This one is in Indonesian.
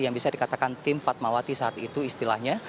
yang bisa dikatakan tim fatmawati saat itu istilahnya